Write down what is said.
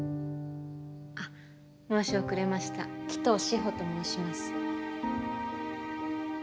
あっ申し遅れました鬼頭志保と申します。